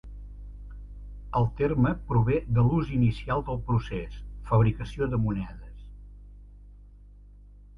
El terme prové de l'ús inicial del procés: fabricació de monedes.